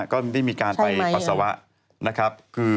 ก็นั่นแหละสิ